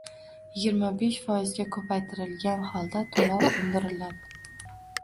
Yigirma besh foizga koʼpaytirilgan holda toʼlov undiriladi.